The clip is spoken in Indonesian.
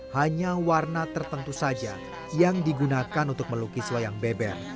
hanya warna tertentu saja yang digunakan untuk melukis wayang beber